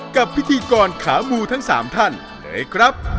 กับพิธีกรขามูทั้ง๓ท่านเลยครับ